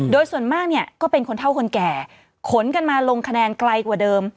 โดยส่วนมากเนี่ยก็เป็นคนเท่าคนแก่ขนกันมาลงคะแนนไกลกว่าเดิม